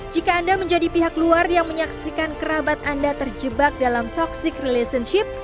jika anda menjadi pihak luar yang menyaksikan kerabat anda terjebak dalam toxic relationship